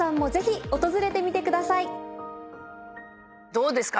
どうですか？